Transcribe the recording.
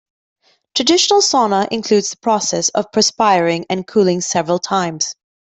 Traditional sauna includes the process of perspiring and cooling several times.